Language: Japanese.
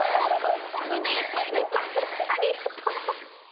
胸いっぱいです、ありがとう。